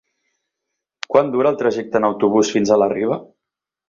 Quant dura el trajecte en autobús fins a la Riba?